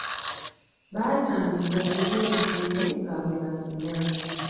Baatandika okunywa omwenge nga bwe bazina.